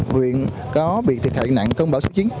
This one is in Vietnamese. những huyện có bị thiệt hại nạn công báo số chín